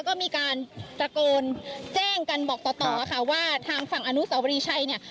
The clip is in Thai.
ก็มีการตะโกนแจ้งกันบอกต่อต่อค่ะว่าทางฝั่งอนุสาวรีชัยเนี่ย